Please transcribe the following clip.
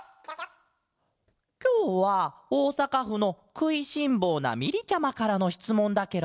きょうはおおさかふの「くいしんぼうなみり」ちゃまからのしつもんだケロ！